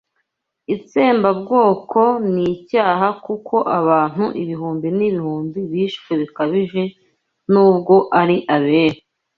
Itsembabwoko nicyaha kuko abantu ibihumbi nibihumbi bishwe bikabije nubwo ari abere